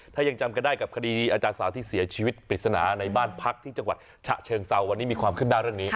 ถ้ายังจำกันได้กับคดีอาจารย์สาวที่เสียชีวิตปริศนาในบ้านพักที่จังหวัดฉะเชิงเซาวันนี้มีความขึ้นหน้าเรื่องนี้